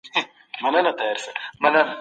احمد شاه ابدالي څنګه د خبرو اترو اصول مراعت کړل؟